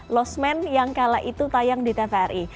lost man yang kala itu tayang di tvri